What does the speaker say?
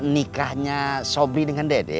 nikahnya sobri dengan dede